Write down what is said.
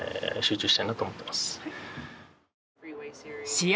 試合